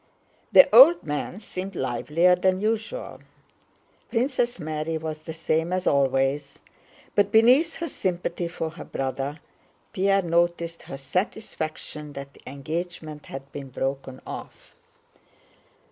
The old man seemed livelier than usual. Princess Mary was the same as always, but beneath her sympathy for her brother, Pierre noticed her satisfaction that the engagement had been broken off.